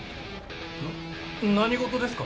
何事ですか？